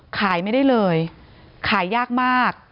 ขายไม่ได้เลยขายยากมาก